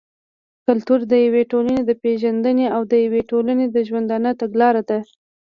کلتور د يوې ټولني د پېژندني او د يوې ټولني د ژوندانه تګلاره ده.